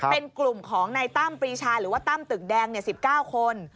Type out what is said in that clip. เป็นกลุ่มของนายตั้มปรีชาหรือว่าตั้มตึกแดง๑๙คน